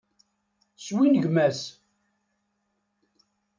Swingem-as.